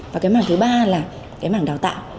và cái mảng thứ ba là cái mảng đào tạo